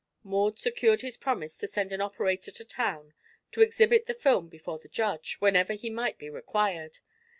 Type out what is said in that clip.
Maud secured his promise to send an operator to town, to exhibit the film before the judge, whenever he might be required.